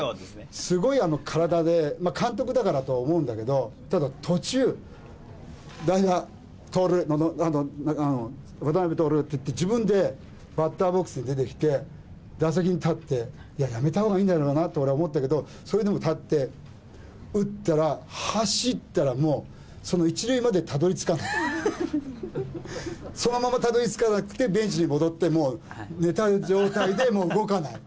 すごい体で、監督だからだとは思うんだけど、ただ途中、代打、徹、渡辺徹って言って、自分でバッターボックスに出てきて、打席に立って、いや、やめたほうがいいんだろうなと俺は思ったけど、それでも立って、打ったら、走ったらもう、１塁までたどりつかないそのままたどりつかなくて、ベンチに戻って、もう寝た状態で動かない。